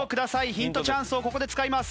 ヒントチャンスをここで使います。